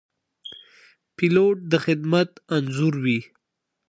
پیلوټ د خدمت انځور وي.